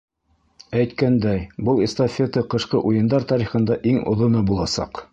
Әйткәндәй, был эстафета Ҡышҡы уйындар тарихында иң оҙоно буласаҡ.